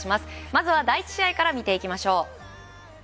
まずは第１試合から見ていきましょう。